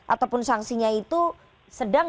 ataupun sanksinya itu sedang